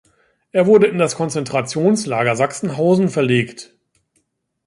Er wurde in das Konzentrationslager Sachsenhausen verlegt.